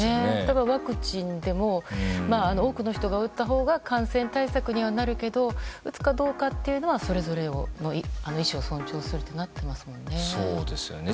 ワクチンでも多くの人が打ったほうが感染対策にはなるけど打つかどうかというのはそれぞれの意思を尊重するとなってますよね。